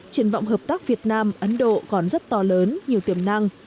triển vọng hợp tác việt nam ấn độ còn rất to lớn nhiều tiềm năng